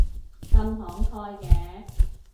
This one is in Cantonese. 咁慷慨嘅